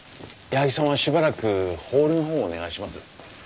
矢作さんはしばらくホールの方をお願いします。